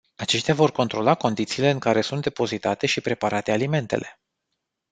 Aceștia vor controla condițiile în care sunt depozitate și preparate alimentele.